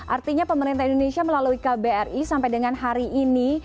artinya pemerintah indonesia melalui kbri sampai dengan hari ini